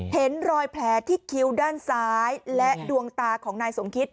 เห็นรอยแผลที่คิ้วด้านซ้ายและดวงตาของนายสมคิต